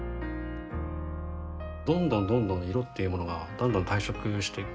どんどんどんどん色っていうものがどんどん退色して。